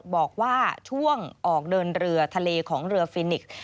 บอกว่าช่วงออกเดินเรือทะเลของเรือฟินิกส